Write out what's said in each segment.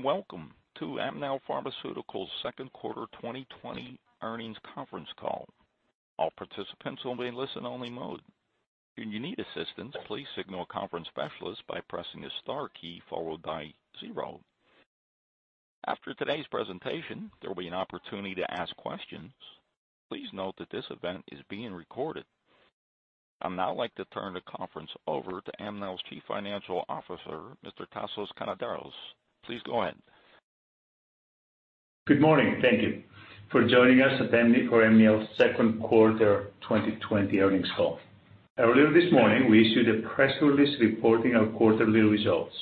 Good morning, and welcome to Amneal Pharmaceuticals' second quarter 2020 earnings conference call. All participants will be in listen-only mode. If you need assistance, please signal a conference specialist by pressing the star key followed by zero. After today's presentation, there will be an opportunity to ask questions. Please note that this event is being recorded. I'd now like to turn the conference over to Amneal's Chief Financial Officer, Mr. Tasos Konidaris. Please go ahead. Good morning. Thank you for joining us at Amneal's second quarter 2020 earnings call. Earlier this morning, we issued a press release reporting our quarterly results.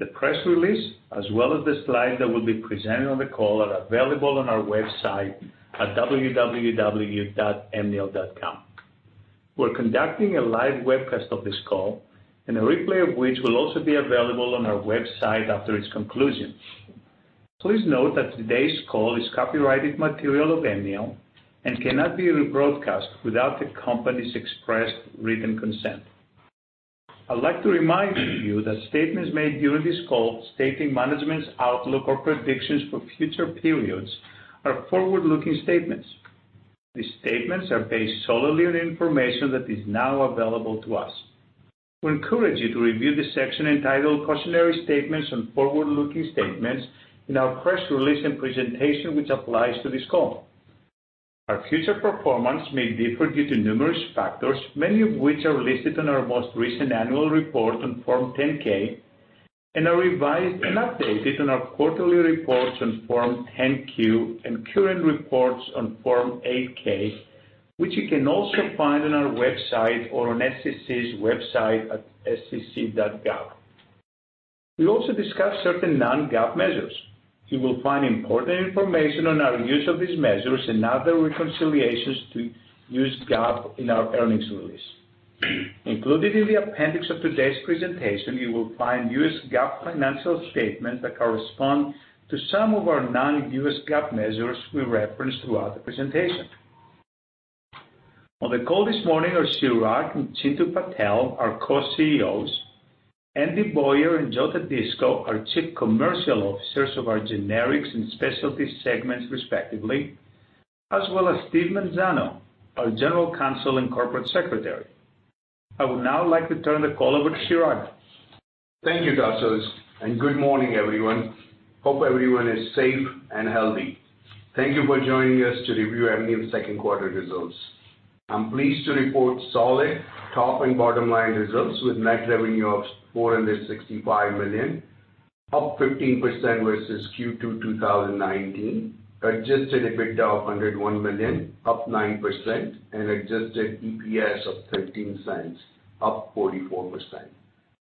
The press release, as well as the slides that will be presented on the call, are available on our website at www.amneal.com. We're conducting a live webcast of this call, and a replay of which will also be available on our website after its conclusion. Please note that today's call is copyrighted material of Amneal and cannot be rebroadcast without the company's expressed written consent. I'd like to remind you that statements made during this call stating management's outlook or predictions for future periods are forward-looking statements. These statements are based solely on information that is now available to us. We encourage you to review the section entitled Cautionary Statements on Forward-Looking Statements in our press release and presentation, which applies to this call. Our future performance may differ due to numerous factors, many of which are listed in our most recent annual report on Form 10-K and are revised and updated on our quarterly reports on Form 10-Q and current reports on Form 8-K, which you can also find on our website or on SEC's website at sec.gov. We'll also discuss certain non-GAAP measures. You will find important information on our use of these measures and other reconciliations to used GAAP in our earnings release. Included in the appendix of today's presentation, you will find US GAAP financial statements that correspond to some of our non-US GAAP measures we reference throughout the presentation. On the call this morning are Chirag and Chintu Patel, our Co-CEOs, Andy Boyer and Joe Renda, our Chief Commercial Officers of our Generics and Specialty segments respectively, as well as Stephen Manzano, our General Counsel and Corporate Secretary. I would now like to turn the call over to Chirag. Thank you, Tasos, good morning, everyone. Hope everyone is safe and healthy. Thank you for joining us to review Amneal's second quarter results. I'm pleased to report solid top and bottom-line results with net revenue of $465 million, up 15% versus Q2 2019, adjusted EBITDA of $101 million, up 9%, and adjusted EPS of $0.13, up 44%.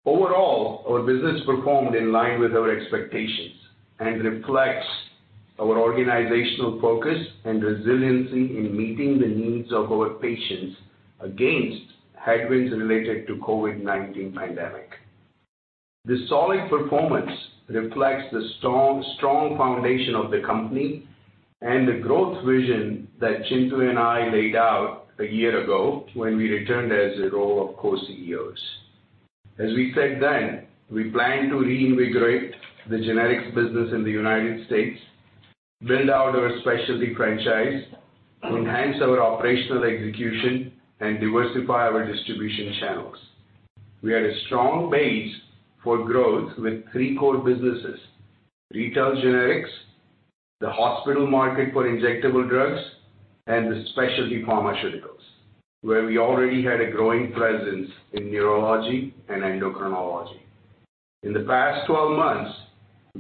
Overall, our business performed in line with our expectations and reflects our organizational focus and resiliency in meeting the needs of our patients against headwinds related to COVID-19 pandemic. This solid performance reflects the strong foundation of the company and the growth vision that Chintu and I laid out a year ago when we returned as the role of Co-CEOs. As we said then, we plan to reinvigorate the Generics business in the United States, build out our Specialty franchise, enhance our operational execution, and diversify our distribution channels. We had a strong base for growth with three core businesses, retail Generics, the hospital market for injectable drugs, and the Specialty pharmaceuticals, where we already had a growing presence in neurology and endocrinology. In the past 12 months,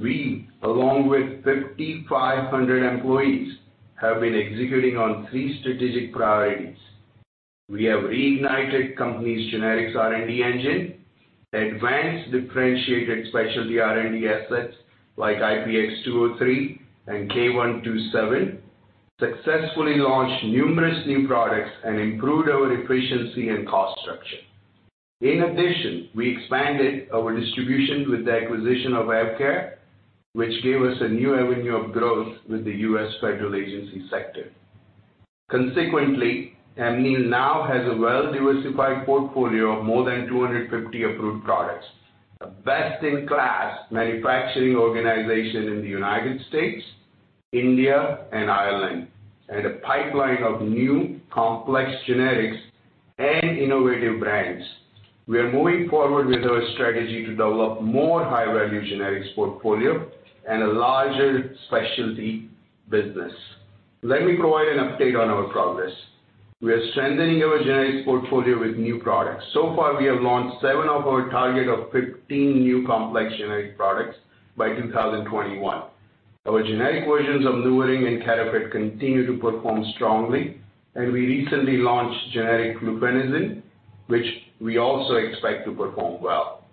we, along with 5,500 employees, have been executing on three strategic priorities. We have reignited company's Generics R&D engine, advanced differentiated Specialty R&D assets like IPX-203 and K127, successfully launched numerous new products, and improved our efficiency and cost structure. We expanded our distribution with the acquisition of AvKARE, which gave us a new avenue of growth with the U.S. federal agency sector. Amneal now has a well-diversified portfolio of more than 250 approved products, a best-in-class manufacturing organization in the United States, India, and Ireland, and a pipeline of new complex Generics and innovative brands. We are moving forward with our strategy to develop more high-value Generics portfolio and a larger Specialty business. Let me provide an update on our progress. We are strengthening our Generics portfolio with new products. So far, we have launched seven of our target of 15 new complex generic products by 2021. Our generic versions of NuvaRing and Carafate continue to perform strongly, and we recently launched generic fluphenazine, which we also expect to perform well.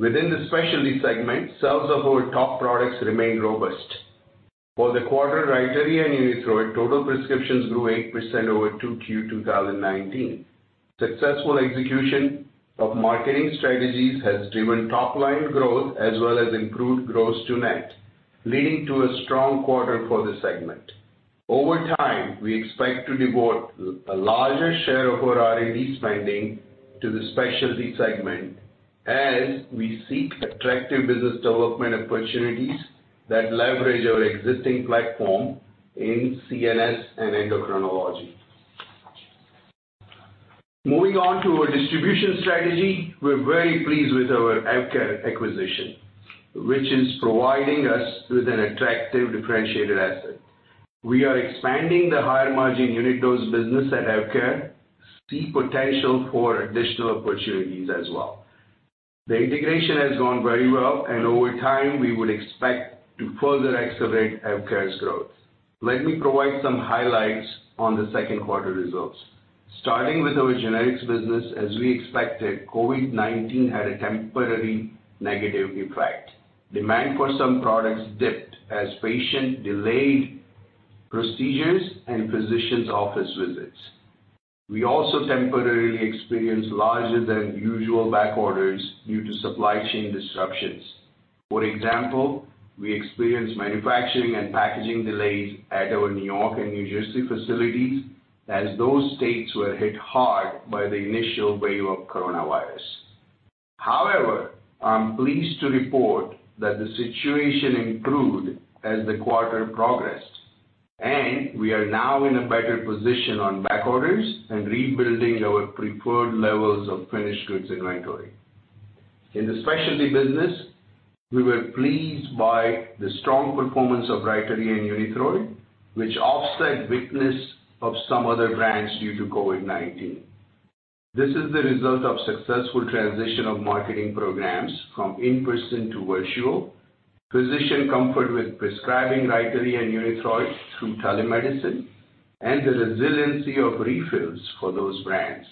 Within the Specialty segment, sales of our top products remain robust. For the quarter, RYTARY and UNITHROID total prescriptions grew 8% over to Q2 2019. Successful execution of marketing strategies has driven top-line growth as well as improved gross to net, leading to a strong quarter for this segment. Over time, we expect to devote a larger share of our R&D spending to the Specialty segment as we seek attractive business development opportunities that leverage our existing platform in CNS and endocrinology. Moving on to our distribution strategy, we're very pleased with our AvKARE acquisition, which is providing us with an attractive differentiated asset. We are expanding the higher margin unit dose business at AvKARE, see potential for additional opportunities as well. The integration has gone very well and over time we would expect to further accelerate AvKARE's growth. Let me provide some highlights on the second quarter results. Starting with our Generics business, as we expected, COVID-19 had a temporary negative impact. Demand for some products dipped as patient delayed procedures and physicians office visits. We also temporarily experienced larger than usual back orders due to supply chain disruptions. For example, we experienced manufacturing and packaging delays at our New York and New Jersey facilities as those states were hit hard by the initial wave of COVID-19. However, I'm pleased to report that the situation improved as the quarter progressed, and we are now in a better position on back orders and rebuilding our preferred levels of finished goods inventory. In the Specialty business, we were pleased by the strong performance of RYTARY and UNITHROID, which offset weakness of some other brands due to COVID-19. This is the result of successful transition of marketing programs from in-person to virtual, physician comfort with prescribing RYTARY and UNITHROID through telemedicine, and the resiliency of refills for those brands.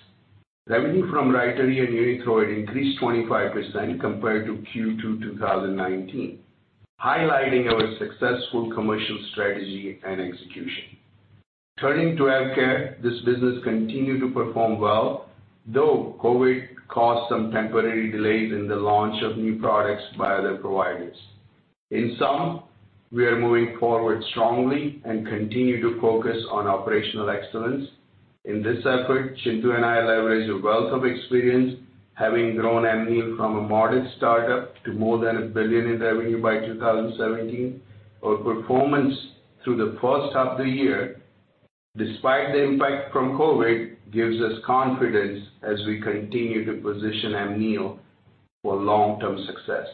Revenue from RYTARY and UNITHROID increased 25% compared to Q2 2019, highlighting our successful commercial strategy and execution. Turning to AvKARE, this business continued to perform well, though COVID caused some temporary delays in the launch of new products by other providers. In sum, we are moving forward strongly and continue to focus on operational excellence. In this effort, Chintu and I leverage a wealth of experience having grown Amneal from a modest startup to more than $1 billion in revenue by 2017. Our performance through the first half of the year, despite the impact from COVID, gives us confidence as we continue to position Amneal for long-term success.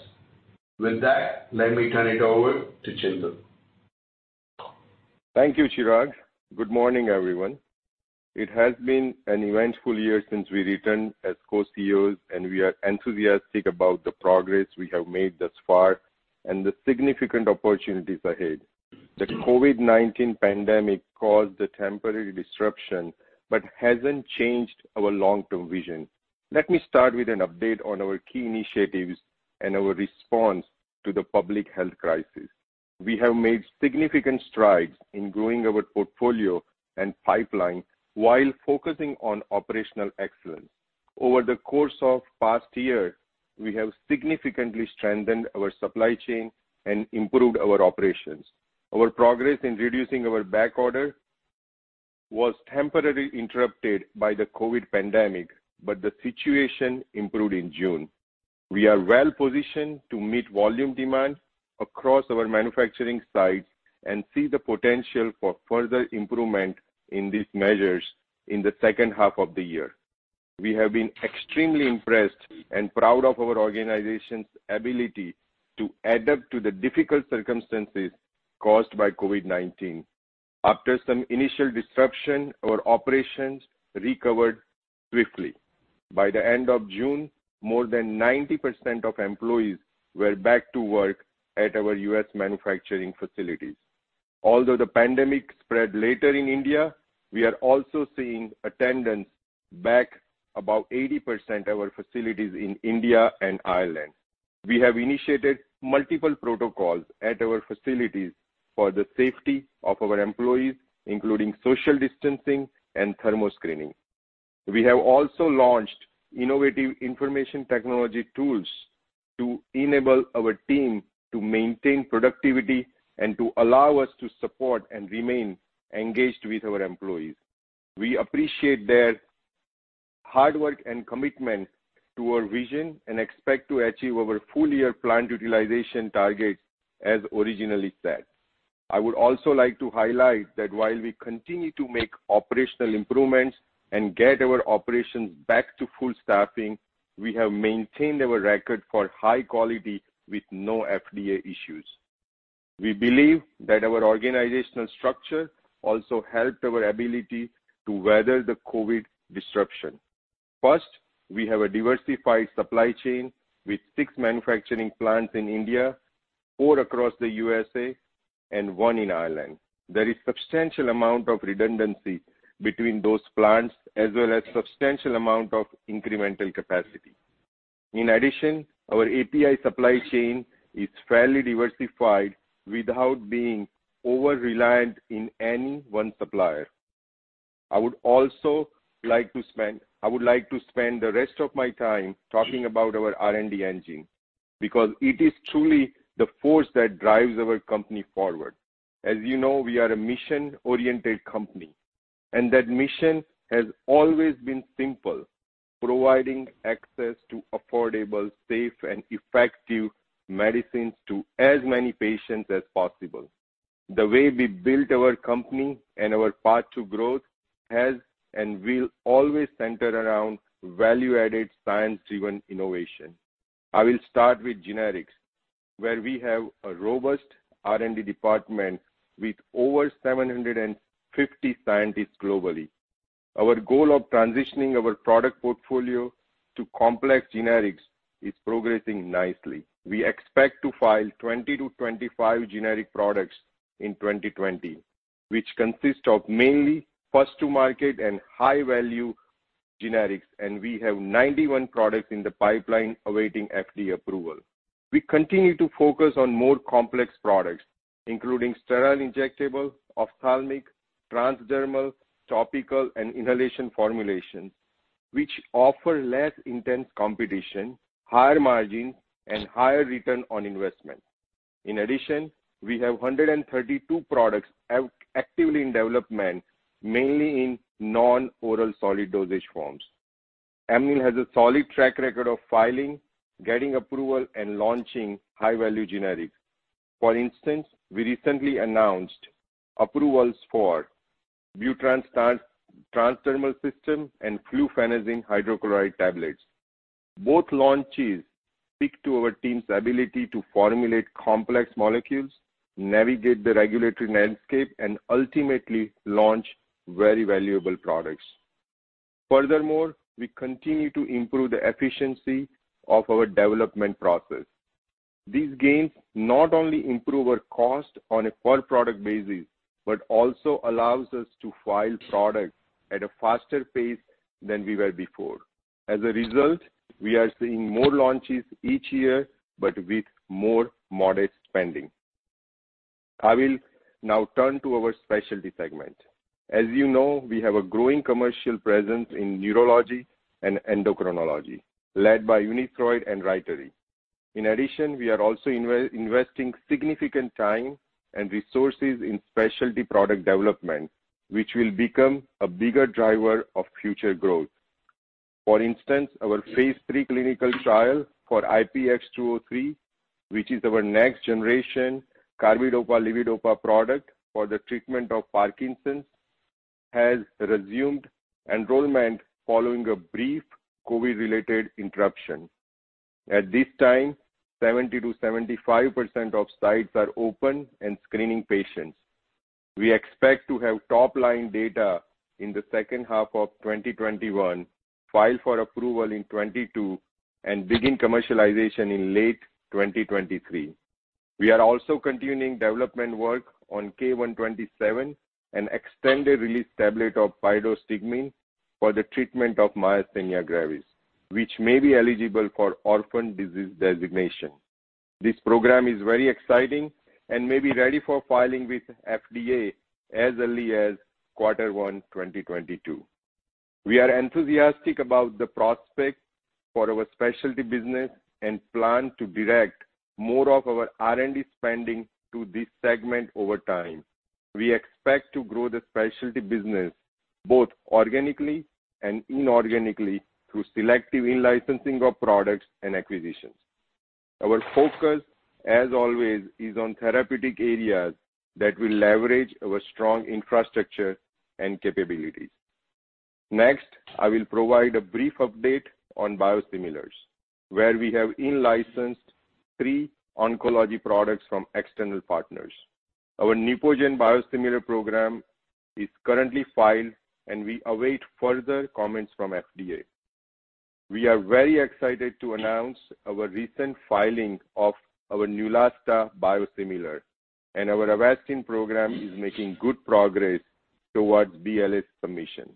With that, let me turn it over to Chintu. Thank you, Chirag. Good morning, everyone. It has been an eventful year since we returned as Co-CEOs, and we are enthusiastic about the progress we have made thus far and the significant opportunities ahead. The COVID-19 pandemic caused a temporary disruption but hasn't changed our long-term vision. Let me start with an update on our key initiatives and our response to the public health crisis. We have made significant strides in growing our portfolio and pipeline while focusing on operational excellence. Over the course of past year, we have significantly strengthened our supply chain and improved our operations. Our progress in reducing our back order was temporarily interrupted by the COVID pandemic, but the situation improved in June. We are well-positioned to meet volume demand across our manufacturing sites and see the potential for further improvement in these measures in the second half of the year. We have been extremely impressed and proud of our organization's ability to adapt to the difficult circumstances caused by COVID-19. After some initial disruption, our operations recovered quickly. By the end of June, more than 90% of employees were back to work at our U.S. manufacturing facilities. Although the pandemic spread later in India, we are also seeing attendance back about 80% our facilities in India and Ireland. We have initiated multiple protocols at our facilities for the safety of our employees, including social distancing and thermo screening. We have also launched innovative information technology tools to enable our team to maintain productivity and to allow us to support and remain engaged with our employees. We appreciate their hard work and commitment to our vision and expect to achieve our full-year plant utilization targets as originally set. I would also like to highlight that while we continue to make operational improvements and get our operations back to full staffing, we have maintained our record for high quality with no FDA issues. We believe that our organizational structure also helped our ability to weather the COVID-19 disruption. First, we have a diversified supply chain with six manufacturing plants in India, four across the U.S.A., and one in Ireland. There is substantial amount of redundancy between those plants as well as substantial amount of incremental capacity. In addition, our API supply chain is fairly diversified without being over-reliant in any one supplier. I would like to spend the rest of my time talking about our R&D engine, because it is truly the force that drives our company forward. As you know, we are a mission-oriented company, and that mission has always been simple: providing access to affordable, safe, and effective medicines to as many patients as possible. The way we built our company and our path to growth has and will always center around value-added, science-driven innovation. I will start with Generics, where we have a robust R&D department with over 750 scientists globally. Our goal of transitioning our product portfolio to complex Generics is progressing nicely. We expect to file 20-25 generic products in 2020, which consist of mainly first-to-market and high-value Generics, and we have 91 products in the pipeline awaiting FDA approval. We continue to focus on more complex products, including sterile injectable, ophthalmic, transdermal, topical, and inhalation formulations, which offer less intense competition, higher margins, and higher return on investment. In addition, we have 132 products actively in development, mainly in non-oral solid dosage forms. Amneal has a solid track record of filing, getting approval, and launching high-value Generics. For instance, we recently announced approvals for BUTRANS transdermal system and fluphenazine hydrochloride tablets. Both launches speak to our team's ability to formulate complex molecules, navigate the regulatory landscape, and ultimately launch very valuable products. We continue to improve the efficiency of our development process. These gains not only improve our cost on a per-product basis, but also allows us to file products at a faster pace than we were before. As a result, we are seeing more launches each year, but with more modest spending. I will now turn to our Specialty segment. As you know, we have a growing commercial presence in neurology and endocrinology led by UNITHROID and RYTARY. In addition, we are also investing significant time and resources in Specialty product development, which will become a bigger driver of future growth. For instance, our phase III clinical trial for IPX-203, which is our next generation carbidopa/levodopa product for the treatment of Parkinson's, has resumed enrollment following a brief COVID-related interruption. At this time, 70%-75% of sites are open and screening patients. We expect to have top-line data in the second half of 2021, file for approval in 2022, and begin commercialization in late 2023. We are also continuing development work on K127, an extended-release tablet of pyridostigmine for the treatment of myasthenia gravis, which may be eligible for orphan disease designation. This program is very exciting and may be ready for filing with FDA as early as quarter one 2022. We are enthusiastic about the prospect for our Specialty business and plan to direct more of our R&D spending to this segment over time. We expect to grow the Specialty business both organically and inorganically through selective in-licensing of products and acquisitions. Our focus, as always, is on therapeutic areas that will leverage our strong infrastructure and capabilities. Next, I will provide a brief update on biosimilars, where we have in-licensed three oncology products from external partners. Our NEUPOGEN biosimilar program is currently filed, and we await further comments from FDA. We are very excited to announce our recent filing of our Neulasta biosimilar, and our Avastin program is making good progress towards BLA submission.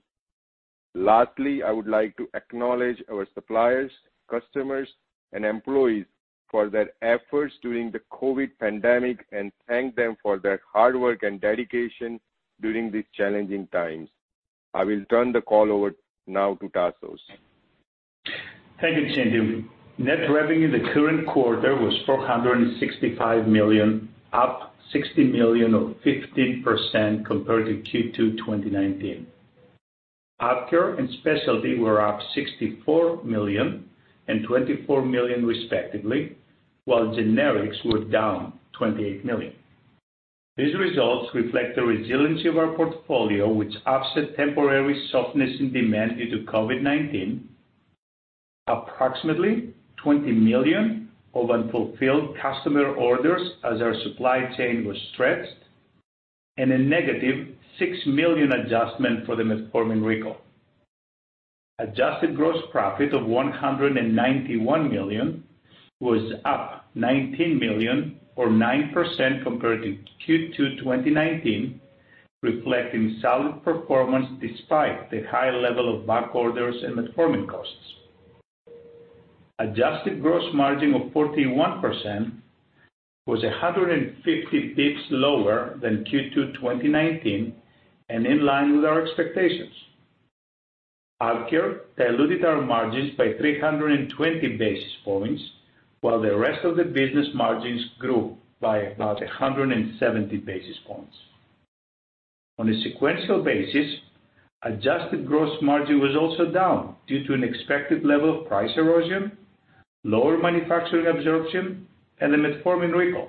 Lastly, I would like to acknowledge our suppliers, customers, and employees for their efforts during the COVID pandemic and thank them for their hard work and dedication during these challenging times. I will turn the call over now to Tasos. Thank you, Chintu. Net revenue in the current quarter was $465 million, up $60 million or 15% compared to Q2 2019. AvKARE and Specialty were up $64 million and $24 million respectively, while Generics were down $28 million. These results reflect the resiliency of our portfolio, which offset temporary softness in demand due to COVID-19. Approximately $20 million of unfulfilled customer orders as our supply chain was stretched, and a -$6 million adjustment for the metformin recall. Adjusted gross profit of $191 million was up $19 million or 9% compared to Q2 2019, reflecting solid performance despite the high level of back orders and metformin costs. Adjusted gross margin of 41% was 150 basis points lower than Q2 2019 and in line with our expectations. AvKARE diluted our margins by 320 basis points, while the rest of the business margins grew by about 170 basis points. On a sequential basis, adjusted gross margin was also down due to an expected level of price erosion, lower manufacturing absorption, and the metformin recall.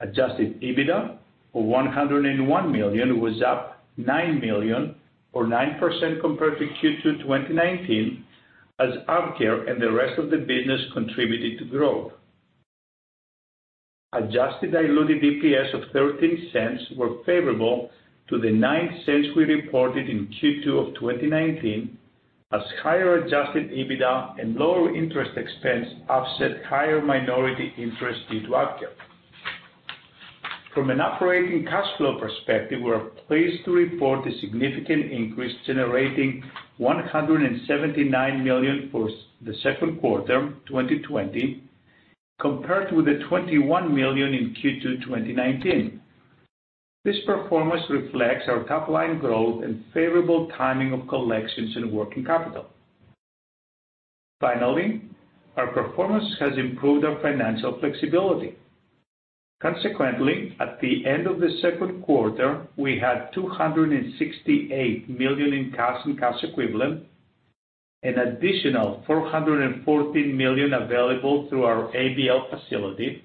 Adjusted EBITDA of $101 million was up $9 million or 9% compared to Q2 2019 as AvKARE and the rest of the business contributed to growth. Adjusted diluted EPS of $0.13 were favorable to the $0.09 we reported in Q2 2019 as higher adjusted EBITDA and lower interest expense offset higher minority interest due to AvKARE. From an operating cash flow perspective, we're pleased to report a significant increase generating $179 million for the second quarter 2020 compared with the $21 million in Q2 2019. This performance reflects our top-line growth and favorable timing of collections and working capital. Finally, our performance has improved our financial flexibility. Consequently, at the end of the second quarter, we had $268 million in cash and cash equivalent, an additional $414 million available through our ABL facility,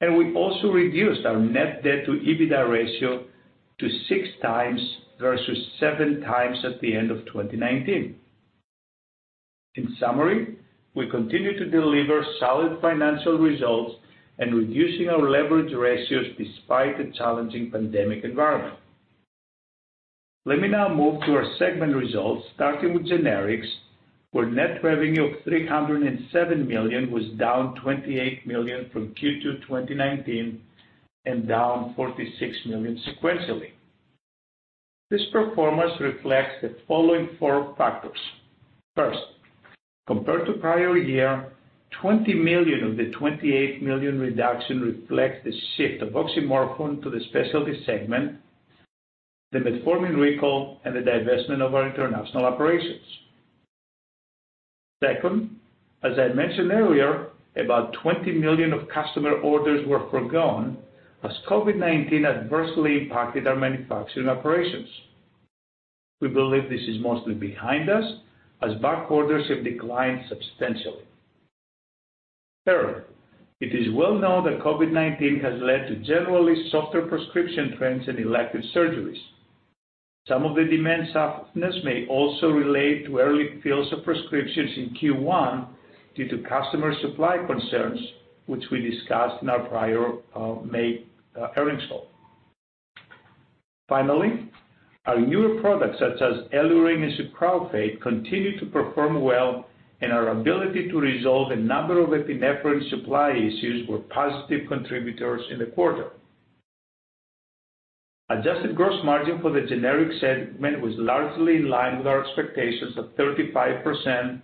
and we also reduced our net debt to EBITDA ratio to 6x versus 7x at the end of 2019. In summary, we continue to deliver solid financial results and reducing our leverage ratios despite a challenging pandemic environment. Let me now move to our segment results, starting with Generics, where net revenue of $307 million was down $28 million from Q2 2019 and down $46 million sequentially. This performance reflects the following four factors. First, compared to prior year, $20 million of the $28 million reduction reflects the shift of oxymorphone to the Specialty segment, the metformin recall, and the divestment of our international operations. Second, as I mentioned earlier, about $20 million of customer orders were forgone as COVID-19 adversely impacted our manufacturing operations. We believe this is mostly behind us as back orders have declined substantially. Third, it is well-known that COVID-19 has led to generally softer prescription trends in elective surgeries. Some of the demand softness may also relate to early fills of prescriptions in Q1 due to customer supply concerns, which we discussed in our prior May earnings call. Finally, our newer products such as EluRyng and sucralfate continue to perform well, and our ability to resolve a number of epinephrine supply issues were positive contributors in the quarter. Adjusted gross margin for the Generics segment was largely in line with our expectations of 35%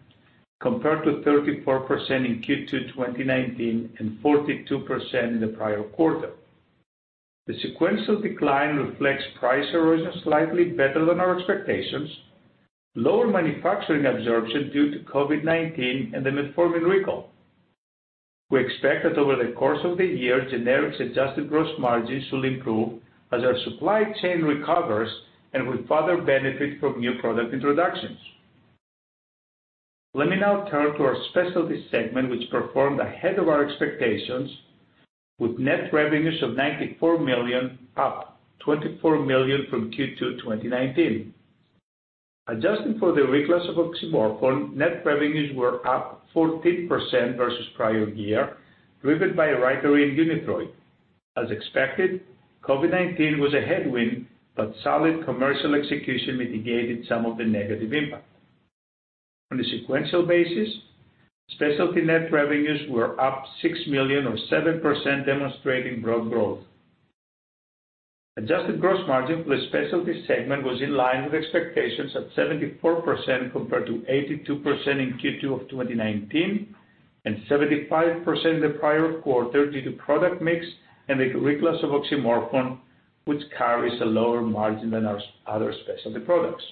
compared to 34% in Q2 2019 and 42% in the prior quarter. The sequential decline reflects price erosion slightly better than our expectations, lower manufacturing absorption due to COVID-19 and the metformin recall. We expect that over the course of the year, Generics adjusted gross margins should improve as our supply chain recovers and we further benefit from new product introductions. Let me now turn to our Specialty segment, which performed ahead of our expectations with net revenues of $94 million, up $24 million from Q2 2019. Adjusted for the reclass of oxymorphone, net revenues were up 14% versus prior year, driven by RYTARY and UNITHROID. As expected, COVID-19 was a headwind, solid commercial execution mitigated some of the negative impact. On a sequential basis, Specialty net revenues were up $6 million or 7% demonstrating broad growth. Adjusted gross margin for the Specialty segment was in line with expectations at 74% compared to 82% in Q2 of 2019 and 75% in the prior quarter due to product mix and the reclass of oxymorphone, which carries a lower margin than our other Specialty products.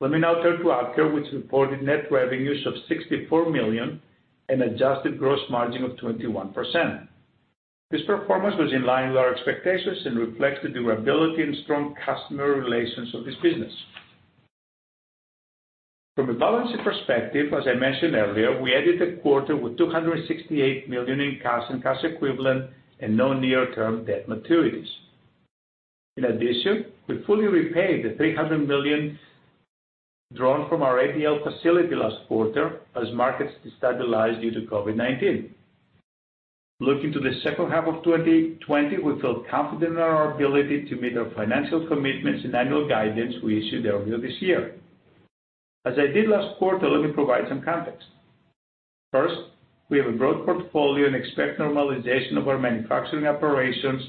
Let me now turn to AvKARE, which reported net revenues of $64 million and adjusted gross margin of 21%. This performance was in line with our expectations and reflects the durability and strong customer relations of this business. From a balance sheet perspective, as I mentioned earlier, we ended the quarter with $268 million in cash and cash equivalent and no near-term debt maturities. In addition, we fully repaid the $300 million drawn from our ABL facility last quarter as markets destabilized due to COVID-19. Looking to the second half of 2020, we feel confident in our ability to meet our financial commitments and annual guidance we issued earlier this year. As I did last quarter, let me provide some context. First, we have a broad portfolio and expect normalization of our manufacturing operations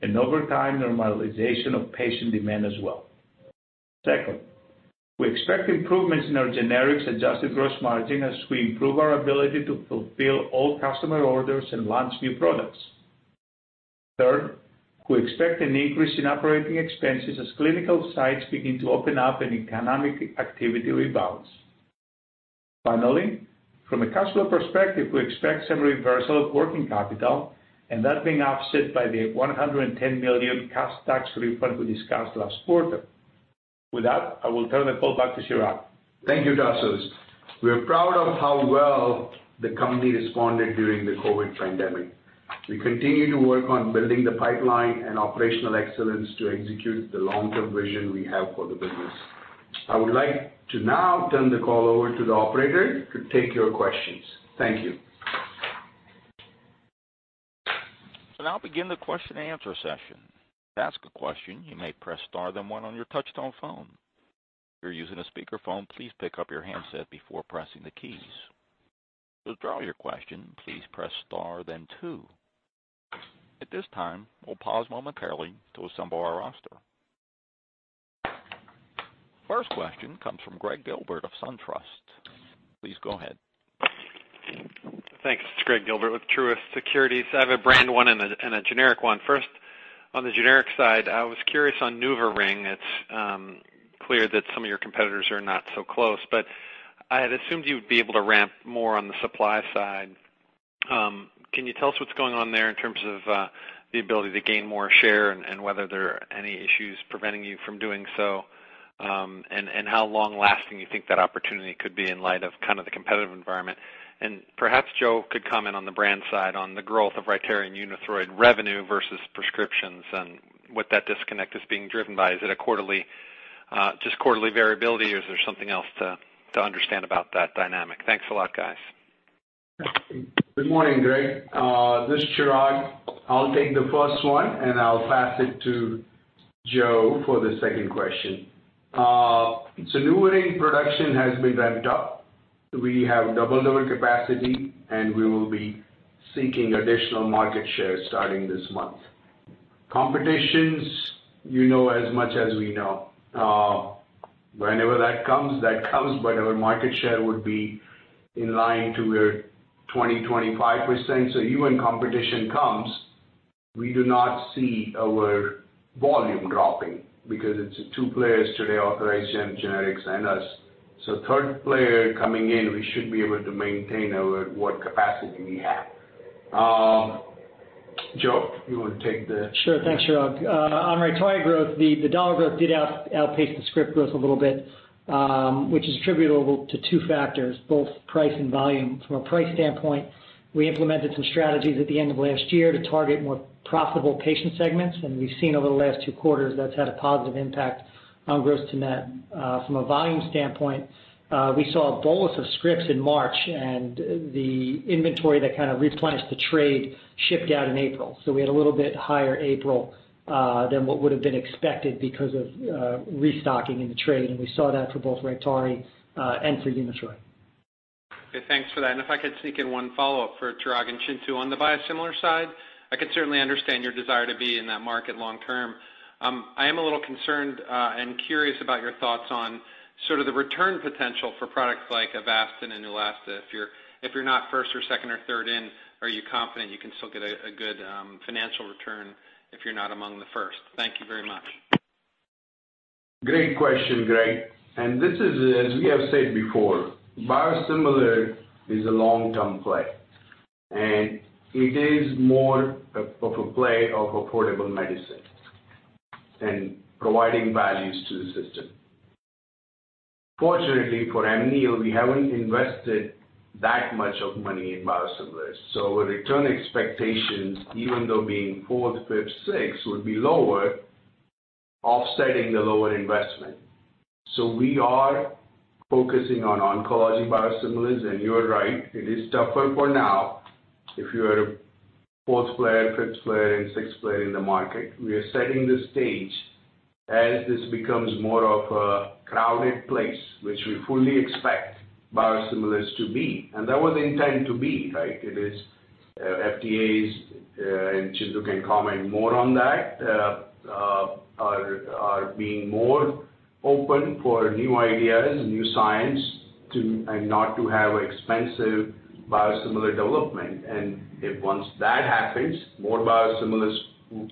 and over time, normalization of patient demand as well. Second, we expect improvements in our Generics adjusted gross margin as we improve our ability to fulfill all customer orders and launch new products. Third, we expect an increase in operating expenses as clinical sites begin to open up and economic activity rebounds. Finally, from a customer perspective, we expect some reversal of working capital and that being offset by the $110 million cash tax refund we discussed last quarter. With that, I will turn the call back to Chirag. Thank you, Tasos. We are proud of how well the company responded during the COVID pandemic. We continue to work on building the pipeline and operational excellence to execute the long-term vision we have for the business. I would like to now turn the call over to the operator to take your questions. Thank you. We'll now begin the question and answer session. To ask a question, you may press star, then one on your touch-tone phone. If you're using a speakerphone, please pick up your handset before pressing the keys. To withdraw your question, please press star then two. At this time, we'll pause momentarily to assemble our roster. First question comes from Greg Gilbert of SunTrust. Please go ahead. Thanks. It's Greg Gilbert with Truist Securities. I have a brand one and a generic one. First, on the generic side, I was curious on NuvaRing. It's clear that some of your competitors are not so close, but I had assumed you would be able to ramp more on the supply side. Can you tell us what's going on there in terms of the ability to gain more share and whether there are any issues preventing you from doing so? How long lasting you think that opportunity could be in light of the competitive environment? Perhaps Joe could comment on the brand side on the growth of RYTARY and UNITHROID revenue versus prescriptions and what that disconnect is being driven by. Is it just quarterly variability, or is there something else t`o understand about that dynamic? Thanks a lot, guys. Good morning, Greg. This is Chirag. I'll take the first one, and I'll pass it to Joe for the second question. NuvaRing production has been ramped up. We have double the capacity, and we will be seeking additional market share starting this month. Competition, you know as much as we know. Whenever that comes, that comes, but our market share would be in line to where 20%-25%. Even when competition comes, we do not see our volume dropping because it's two players today, authorized, generic and us. Third player coming in, we should be able to maintain what capacity we have. Joe, you want to take the- Sure. Thanks, Chirag. On RITARY growth, the dollar growth did outpace the script growth a little bit, which is attributable to two factors, both price and volume. From a price standpoint, we implemented some strategies at the end of last year to target more profitable patient segments, and we've seen over the last two quarters that's had a positive impact on gross to net. From a volume standpoint, we saw a bolus of scripts in March and the inventory that replenished the trade shipped out in April. We had a little bit higher April than what would've been expected because of restocking in the trade, and we saw that for both RITARY and for UNITHROID. Okay, thanks for that. If I could sneak in one follow-up for Chirag and Chintu. On the biosimilar side, I could certainly understand your desire to be in that market long term. I am a little concerned and curious about your thoughts on sort of the return potential for products like Avastin and Neulasta. If you're not first or second or third in, are you confident you can still get a good financial return if you're not among the first? Thank you very much. Great question, Greg. This is, as we have said before, biosimilar is a long-term play and it is more of a play of affordable medicine and providing values to the system. Fortunately for Amneal, we haven't invested that much money in biosimilars, so our return expectations, even though being fourth, fifth, sixth, would be lower, offsetting the lower investment. We are focusing on oncology biosimilars, and you are right, it is tougher for now if you are a fourth player, fifth player, and sixth player in the market. We are setting the stage as this becomes more of a crowded place, which we fully expect biosimilars to be. That was intended to be, right? It is FDA's, and Chintu can comment more on that, are being more open for new ideas, new science, and not to have expensive biosimilar development. If once that happens, more biosimilars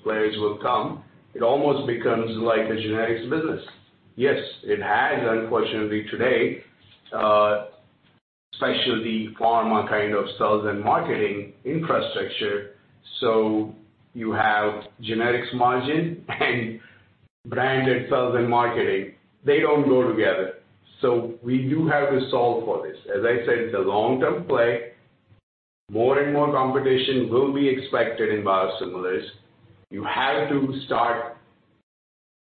players will come. It almost becomes like a Generics business. Yes, it has, unfortunately, today, Specialty pharma kind of sales and marketing infrastructure. You have Generics margin and branded sales and marketing. They don't go together. We do have to solve for this. As I said, it's a long-term play. More and more competition will be expected in biosimilars. You have to start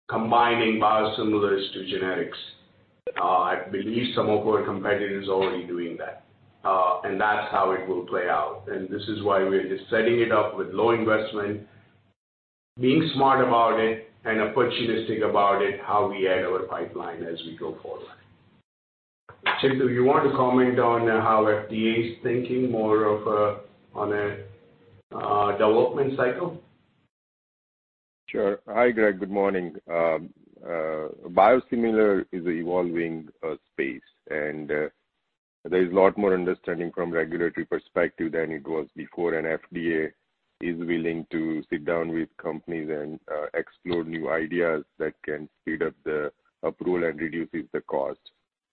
combining biosimilars to Generics. I believe some of our competitors are already doing that, and that's how it will play out. This is why we are just setting it up with low investment. Being smart about it and opportunistic about it, how we add our pipeline as we go forward. Chintu, you want to comment on how FDA is thinking more of on a development cycle? Sure. Hi, Greg. Good morning. Biosimilar is evolving space. There is a lot more understanding from regulatory perspective than it was before. FDA is willing to sit down with companies and explore new ideas that can speed up the approval and reduces the cost.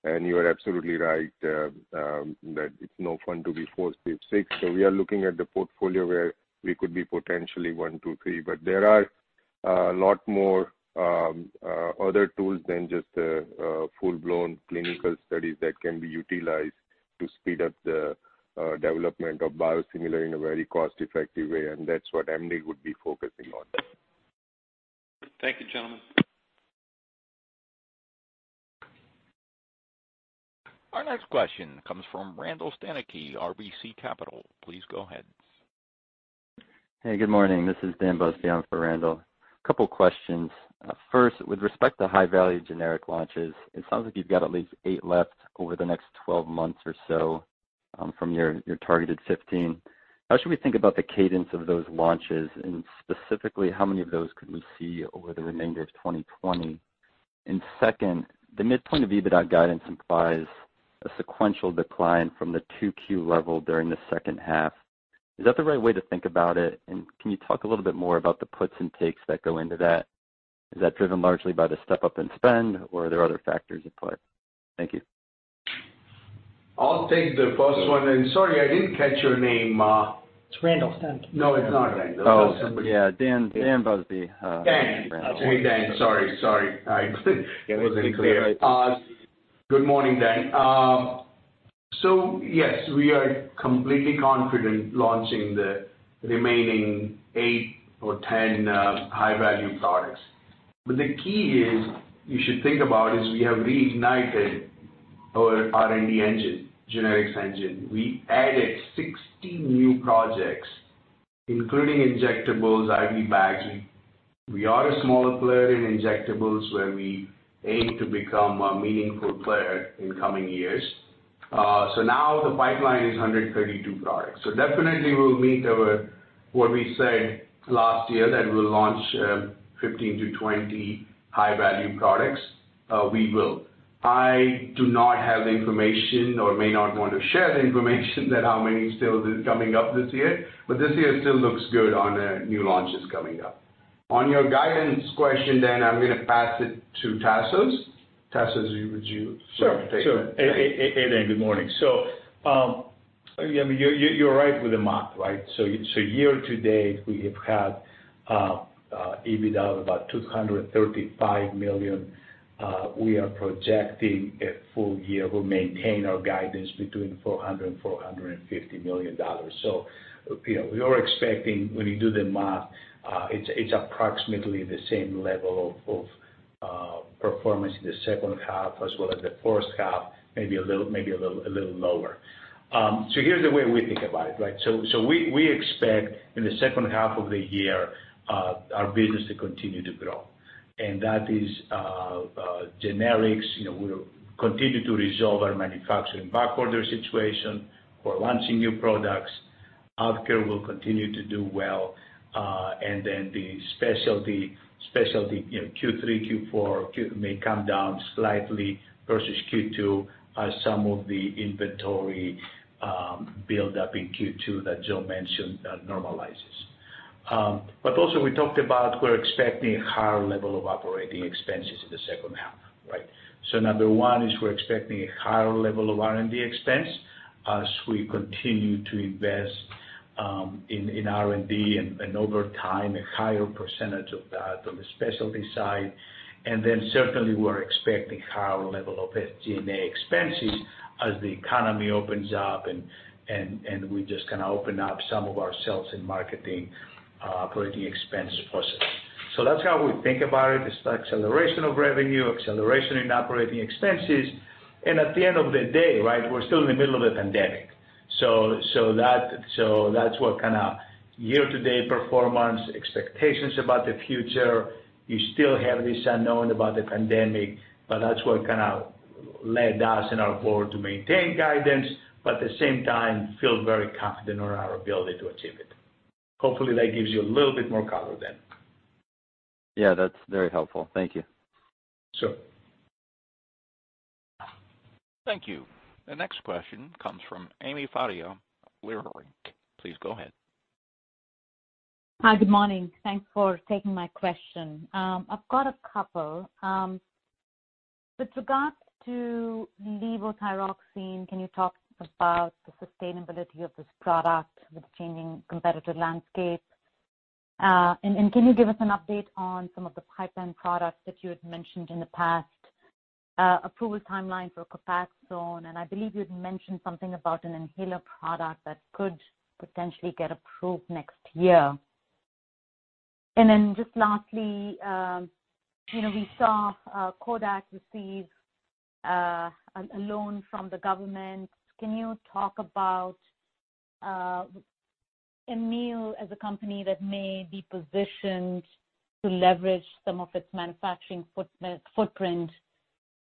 You are absolutely right that it's no fun to be four, five, six. We are looking at the portfolio where we could be potentially one, two, three. There are a lot more other tools than just full-blown clinical studies that can be utilized to speed up the development of biosimilar in a very cost-effective way, and that's what Amneal would be focusing on. Thank you, gentlemen. Our next question comes from Randall Stanicky, RBC Capital. Please go ahead. Hey, good morning. This is Daniel Busby in for Randall. Couple questions. First, with respect to high-value generic launches, it sounds like you've got at least eight left over the next 12 months or so from your targeted 15. How should we think about the cadence of those launches, and specifically, how many of those could we see over the remainder of 2020? Second, the midpoint of EBITDA guidance implies a sequential decline from the 2Q level during the second half. Is that the right way to think about it? Can you talk a little bit more about the puts and takes that go into that? Is that driven largely by the step-up in spend, or are there other factors at play? Thank you. I'll take the first one, and sorry, I didn't catch your name. It's Randall Stanicky. No, it's not Randall. Yeah. Daniel Busby. Dan. Randall. Hey, Dan. Sorry. I wasn't clear. Good morning, Dan. Yes, we are completely confident launching the remaining eight or 10 high-value products. The key is, you should think about, is we have reignited our R&D engine, Generics engine. We added 60 new projects, including injectables, IV bags. We are a smaller player in injectables, where we aim to become a meaningful player in coming years. Now the pipeline is 132 products. Definitely, we'll meet our what we said last year, that we'll launch 15-20 high-value products. We will. I do not have the information or may not want to share the information that how many still coming up this year, but this year still looks good on new launches coming up. On your guidance question, Dan, I'm going to pass it to Tasos. Tasos, would you take that? Sure. Hey, Dan. Good morning. You're right with the math, right? Year to date, we have had EBITDA of about $235 million. We are projecting a full year. We'll maintain our guidance between $400 million and $450 million. We are expecting, when you do the math, it's approximately the same level of performance in the second half as well as the first half, maybe a little lower. Here's the way we think about it, right? We expect in the second half of the year, our business to continue to grow. That is Generics, we'll continue to resolve our manufacturing backorder situation. We're launching new products. AvKARE will continue to do well. The Specialty Q3, Q4 may come down slightly versus Q2 as some of the inventory build up in Q2 that Chirag mentioned normalizes. Also, we talked about we're expecting a higher level of operating expenses in the second half, right? Number one is we're expecting a higher level of R&D expense as we continue to invest in R&D and over time, a higher % of that on the Specialty side. Certainly, we're expecting higher level of SG&A expenses as the economy opens up and we just kind of open up some of our sales and marketing operating expenses also. That's how we think about it, is acceleration of revenue, acceleration in operating expenses. At the end of the day, right, we're still in the middle of a pandemic. That's what kind of year-to-date performance expectations about the future. You still have this unknown about the pandemic, but that's what kind of led us and our board to maintain guidance, but at the same time, feel very confident on our ability to achieve it. Hopefully, that gives you a little bit more color, Dan. Yeah, that's very helpful. Thank you. Sure. Thank you. The next question comes from Ami Fadia, Leerink. Please go ahead. Hi. Good morning. Thanks for taking my question. I've got a couple. With regards to levothyroxine, can you talk about the sustainability of this product with changing competitive landscape? Can you give us an update on some of the pipeline products that you had mentioned in the past? Approval timeline for Copaxone, and I believe you had mentioned something about an inhaler product that could potentially get approved next year. Just lastly, we saw Kodak receive A loan from the government. Can you talk about Amneal as a company that may be positioned to leverage some of its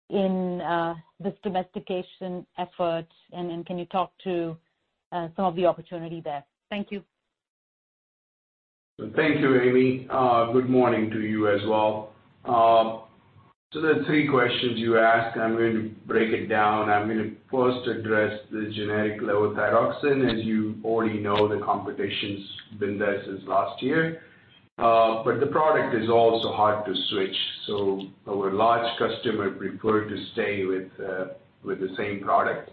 manufacturing footprint in this domestication effort, and then can you talk to some of the opportunity there? Thank you. Thank you, Ami. Good morning to you as well. The three questions you asked, I'm going to break it down. I'm going to first address the generic levothyroxine. As you already know, the competition's been there since last year. The product is also hard to switch, so our large customer preferred to stay with the same product.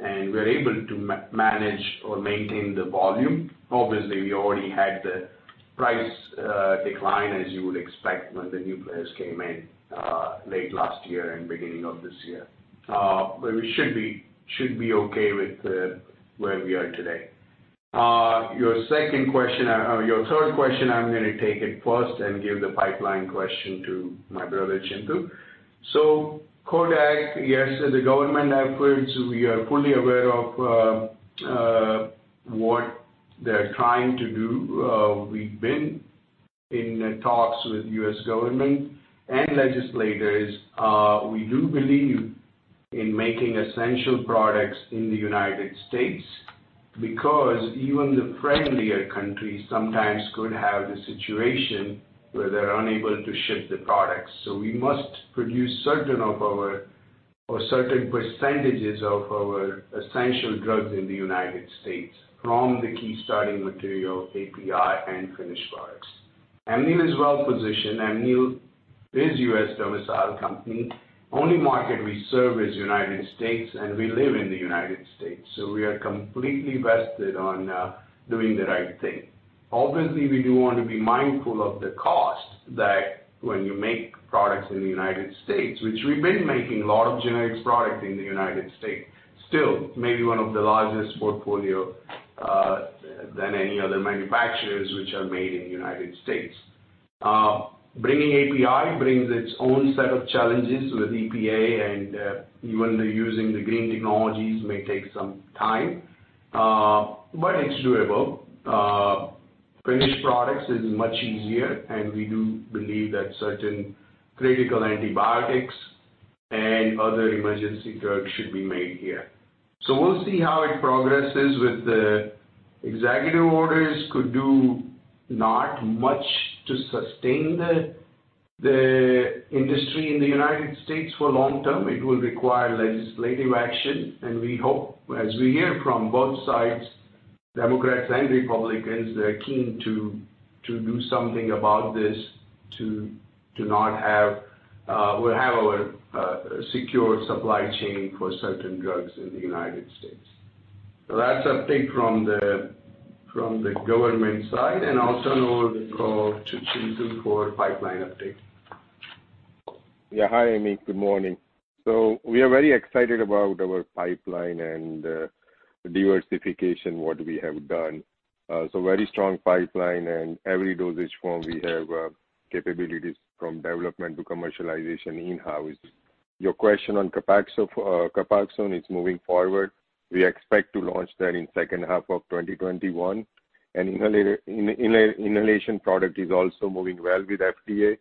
We're able to manage or maintain the volume. Obviously, we already had the price decline, as you would expect when the new players came in late last year and beginning of this year. We should be okay with where we are today. Your third question, I'm going to take it first and give the pipeline question to my brother, Chintu. Kodak, yes, the government efforts, we are fully aware of what they're trying to do. We've been in talks with U.S. government and legislators. We do believe in making essential products in the United States because even the friendlier countries sometimes could have the situation where they're unable to ship the products. We must produce certain percentages of our essential drugs in the United States from the key starting material, API, and finished products. Amneal is well positioned. Amneal is U.S. domiciled company. Only market we serve is United States, and we live in the United States, so we are completely vested on doing the right thing. Obviously, we do want to be mindful of the cost that when you make products in the United States, which we've been making a lot of Generics product in the United States. Still may be one of the largest portfolio than any other manufacturers which are made in the United States. Bringing API brings its own set of challenges with EPA and even using the green technologies may take some time. It's doable. Finished products is much easier. We do believe that certain critical antibiotics and other emergency drugs should be made here. We'll see how it progresses with the executive orders could do not much to sustain the industry in the United States for long term. It will require legislative action. We hope, as we hear from both sides, Democrats and Republicans, they're keen to do something about this to have our secure supply chain for certain drugs in the United States. That's update from the government side. I'll turn over the call to Chintu for pipeline update. Hi, Ami. Good morning. We are very excited about our pipeline and diversification, what we have done. Very strong pipeline and every dosage form we have capabilities from development to commercialization in-house. Your question on Copaxone, it's moving forward. We expect to launch that in second half of 2021. Inhalation product is also moving well with FDA.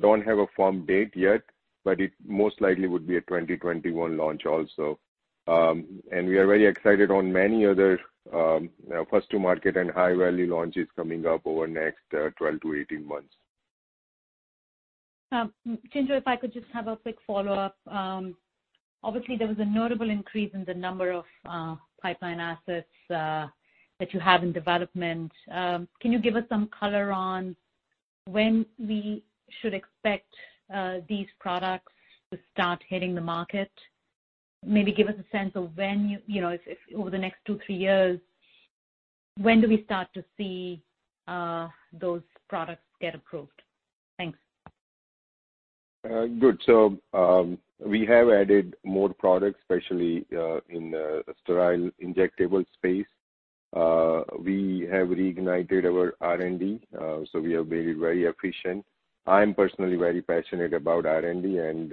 Don't have a firm date yet, but it most likely would be a 2021 launch also. We are very excited on many other first to market and high-value launches coming up over next 12-18 months. Chintu, if I could just have a quick follow-up. Obviously, there was a notable increase in the number of pipeline assets that you have in development. Can you give us some color on when we should expect these products to start hitting the market? Maybe give us a sense of when, if over the next two, three years, when do we start to see those products get approved? Thanks. Good. We have added more products, especially in the sterile injectable space. We have reignited our R&D. We have been very efficient. I'm personally very passionate about R&D and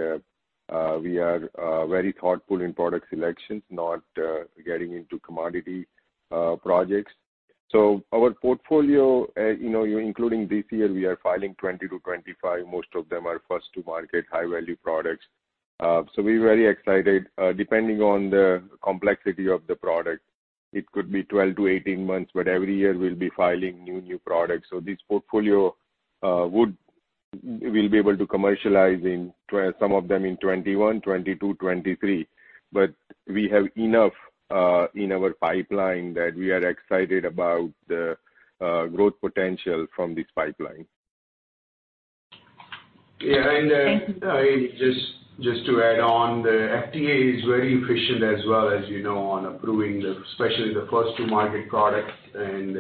we are very thoughtful in product selection, not getting into commodity projects. Our portfolio, including this year, we are filing 20-25. Most of them are first to market, high-value products. We're very excited. Depending on the complexity of the product, it could be 12-18 months, but every year we'll be filing new products. This portfolio, we'll be able to commercialize some of them in 2021, 2022, 2023. We have enough in our pipeline that we are excited about the growth potential from this pipeline. Yeah. Thanks. Ami, just to add on, the FDA is very efficient as well, as you know, on approving, especially the first-to-market products and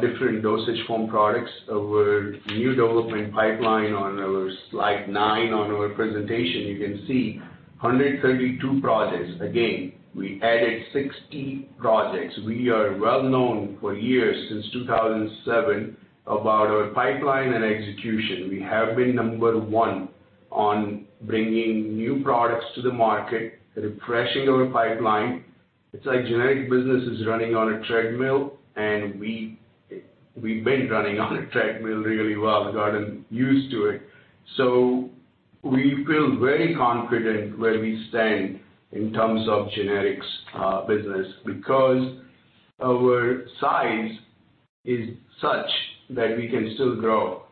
different dosage form products. Our new development pipeline on our slide nine on our presentation, you can see 132 projects. Again, we added 60 projects. We are well known for years, since 2007, about our pipeline and execution. We have been number one on bringing new products to the market, refreshing our pipeline. It's like generic business is running on a treadmill, and we've been running on a treadmill really well and gotten used to it. We feel very confident where we stand in terms of Generics business, because our size is such that we can still grow.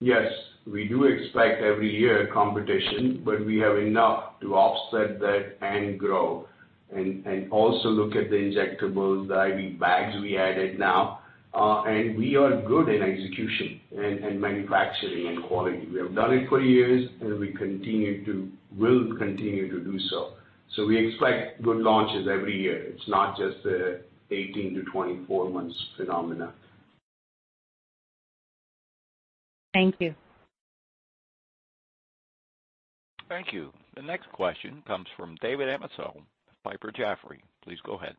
Yes, we do expect every year competition, but we have enough to offset that and grow and also look at the injectables, the IV bags we added now. We are good in execution and manufacturing and quality. We have done it for years, and we will continue to do so. We expect good launches every year. It's not just an 18-24 months phenomenon. Thank you. Thank you. The next question comes from David Amsellem of Piper Sandler. Please go ahead.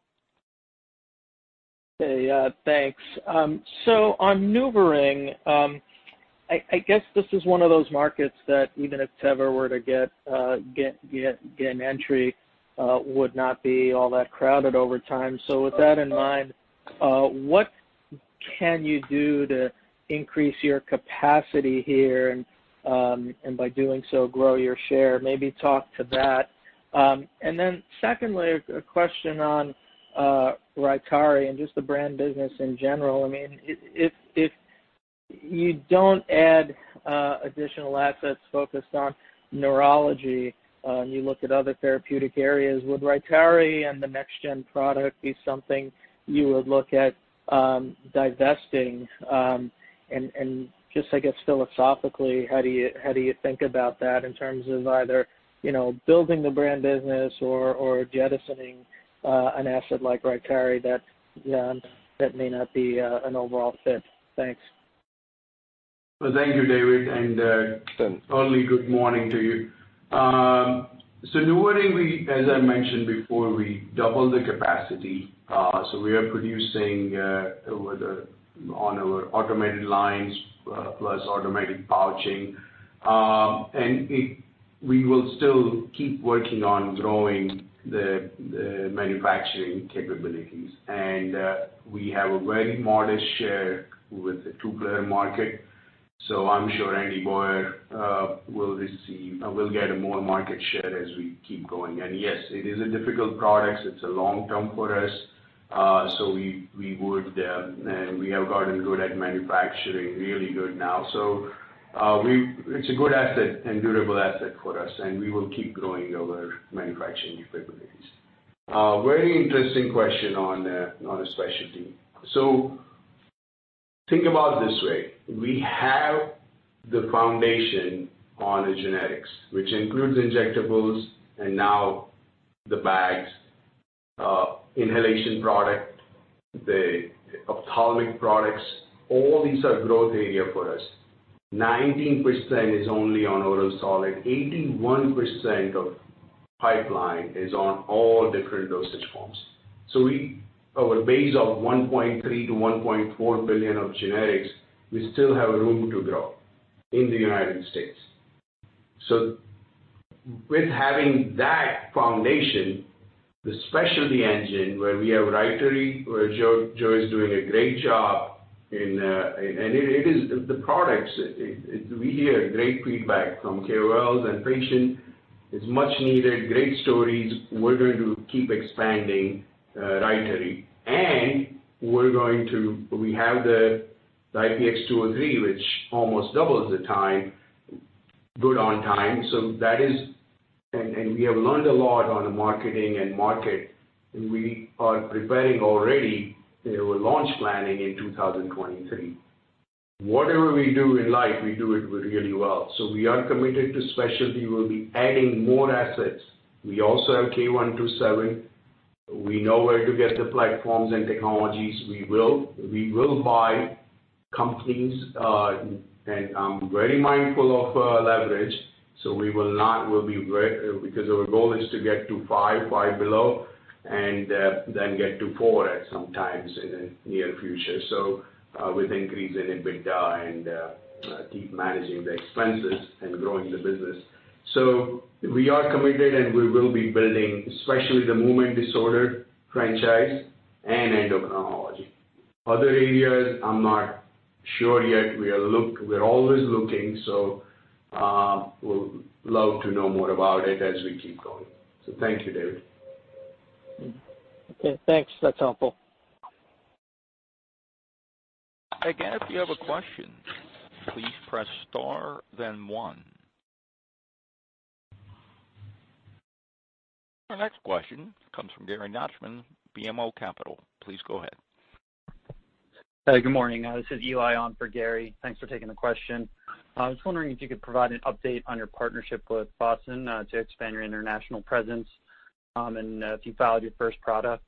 Hey, thanks. On NuvaRing, I guess this is one of those markets that even if Teva were to get an entry, would not be all that crowded over time. With that in mind, what can you do to increase your capacity here, and by doing so, grow your share? Maybe talk to that. Secondly, a question on RYTARY and just the brand business in general. If you don't add additional assets focused on neurology, and you look at other therapeutic areas, would RYTARY and the next gen product be something you would look at divesting? Just, I guess, philosophically, how do you think about that in terms of either building the brand business or jettisoning an asset like RYTARY that may not be an overall fit? Thanks. Well, thank you, David, and early good morning to you. NuvaRing, as I mentioned before, we doubled the capacity. We are producing on our automated lines, plus automatic pouching. We will still keep working on growing the manufacturing capabilities. We have a very modest share with the two-player market. I'm sure Andy Boyer will get more market share as we keep going. Yes, it is a difficult product. It's a long term for us. It's a good asset and durable asset for us, and we will keep growing our manufacturing capabilities. A very interesting question on the Specialty. Think about it this way, we have the foundation on the Generics, which includes injectables and now the bags, inhalation product, the ophthalmic products, all these are growth area for us. 19% is only on oral solid, 81% of pipeline is on all different dosage forms. Our base of $1.3 billion-$1.4 billion of Generics, we still have room to grow in the United States. With having that foundation, the Specialty engine where we have RYTARY, where Joe is doing a great job, and the products, we hear great feedback from KOLs and patients. It's much needed, great stories. We're going to keep expanding RYTARY. We have the IPX-203, which almost doubles the time, good on time. We have learned a lot on the marketing and market, and we are preparing already our launch planning in 2023. Whatever we do in life, we do it really well. We are committed to Specialty. We'll be adding more assets. We also have K127. We know where to get the platforms and technologies. We will buy companies, and I'm very mindful of leverage. Because our goal is to get to 5x below, and then get to 4x at some times in the near future. With increase in EBITDA and keep managing the expenses and growing the business. We are committed and we will be building, especially the movement disorder franchise and endocrinology. Other areas, I'm not sure yet. We're always looking, we'll love to know more about it as we keep going. Thank you, David. Okay, thanks. That's helpful. Again, if you have a question, please press star then one. Our next question comes from Gary Nachman, BMO Capital. Please go ahead. Hey, good morning. This is Evan on for Gary. Thanks for taking the question. I was wondering if you could provide an update on your partnership with Fosun to expand your international presence, and if you filed your first product.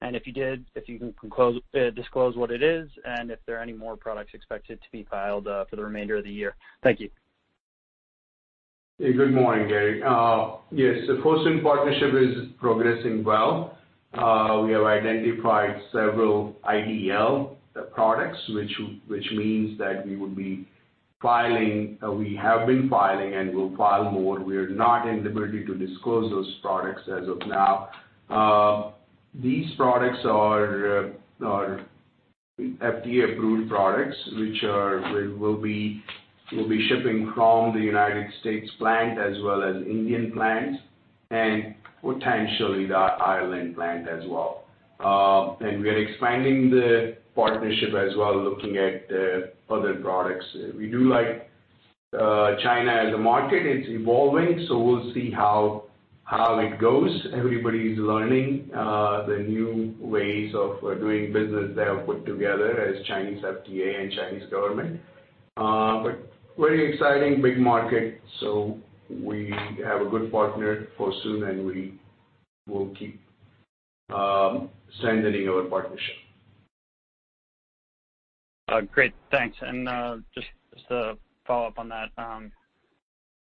If you did, if you can disclose what it is and if there are any more products expected to be filed for the remainder of the year. Thank you. Hey, good morning, Gary. Yes, the Fosun partnership is progressing well. We have identified several IDL products, which means that we would be filing. We have been filing and we'll file more. We're not in the ability to disclose those products as of now. These products are FDA-approved products, which we'll be shipping from the United States plant as well as Indian plants and potentially the Ireland plant as well. We are expanding the partnership as well, looking at other products. We do like China as a market. It's evolving, we'll see how it goes. Everybody's learning the new ways of doing business they have put together as Chinese FDA and Chinese government. Very exciting, big market. We have a good partner Fosun, and we will keep strengthening our partnership. Great, thanks. Just to follow up on that,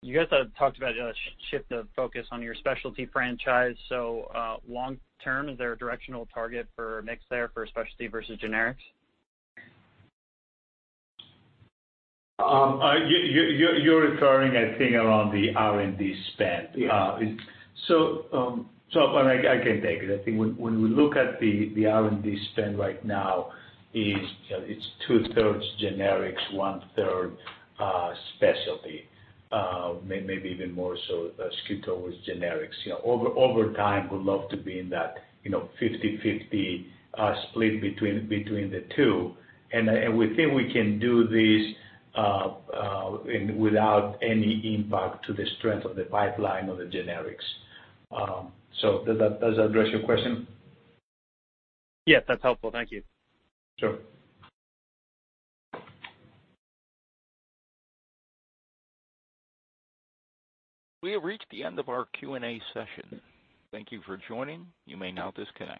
you guys have talked about a shift of focus on your Specialty franchise. Long term, is there a directional target for mix there for Specialty versus Generics? You're referring, I think, around the R&D spend. Yes. Tasos, I can take it. I think when we look at the R&D spend right now, it's two-thirds Generics, one-third Specialty. Maybe even more so skewed towards Generics. Over time, we'd love to be in that 50-50 split between the two. We think we can do this without any impact to the strength of the pipeline or the Generics. Does that address your question? Yes, that's helpful. Thank you. Sure. We have reached the end of our Q&A session. Thank you for joining. You may now disconnect.